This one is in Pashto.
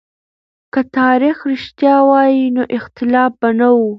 که تاريخ رښتيا وای نو اختلاف به نه و.